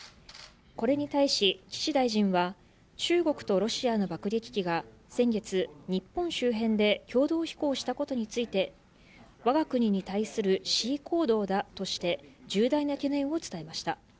これに対し岸大臣は、中国とロシアの爆撃機が、先月、日本周辺で共同飛行したことについて、わが国に対する示威行動だとして、重大な懸念を伝えました。